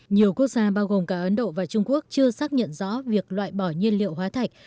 nhiều quốc gia bao gồm cả ấn độ và trung quốc chưa xác nhận rõ việc loại bỏ nhiên liệu hóa thạch